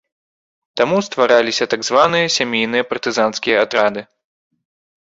Таму ствараліся так званыя сямейныя партызанскія атрады.